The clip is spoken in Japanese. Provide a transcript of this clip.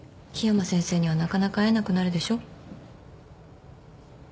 緋山先生にはなかなか会えなくなるでしょ。